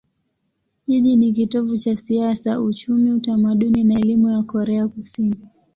Jiji ni kitovu cha siasa, uchumi, utamaduni na elimu ya Korea Kusini.